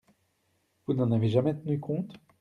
Vous n’en avez jamais tenu compte.